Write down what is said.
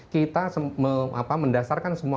kita mendasarkan semua